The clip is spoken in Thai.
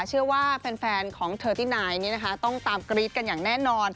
เชื่อว่าแฟนของเธอตี้นายต้องตามกรี๊ดกันอย่างแน่นอน